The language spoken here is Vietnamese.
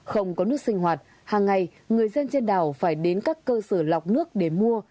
không có nước sinh hoạt hàng ngày người dân trên đảo phải đến các cơ sở lọc nước để mua